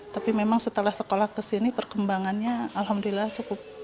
tapi memang setelah sekolah ke sini perkembangannya alhamdulillah cukup